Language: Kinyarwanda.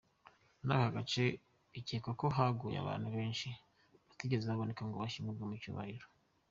Muri aka gace bikekwa ko haguye abantu benshi batigeze baboneka ngo bashyingurwe mu cyubahiro.